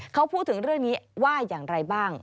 เขาพูดถึงเรื่องนี้ว่าอย่างไรบ้าง